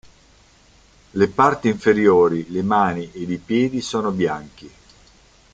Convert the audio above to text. Le parti inferiori, le mani ed i piedi sono bianchi.